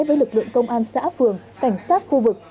với lực lượng công an xã phường cảnh sát khu vực